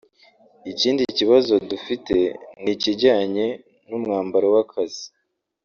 Ikindi kibazo dufite ni ikijyanye n’umwambaro w’akazi